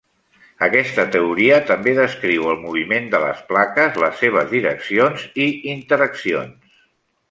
Aquesta teoria també descriu el moviment de les plaques, les seves direccions i interaccions.